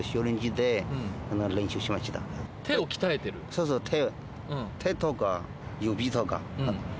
そうそう手。